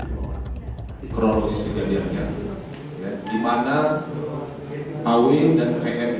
kronologis kejadiannya di mana aw dan vm ini bekerja sama